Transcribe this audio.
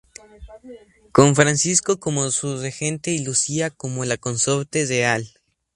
Con Francisco como su regente y Lucía como la consorte real.